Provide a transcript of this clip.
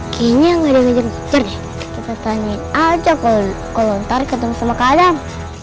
buhtvala jangkauan ntar ketemu sama kadang